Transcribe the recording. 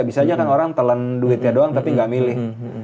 bisa aja kan orang telan duitnya doang tapi gak milih